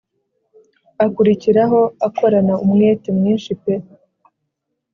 akurikiraho akorana umwete mwinshi pe